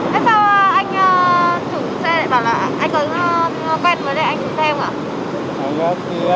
tại sao anh chủ xe lại bảo là anh có quen với đây anh chủ xe không ạ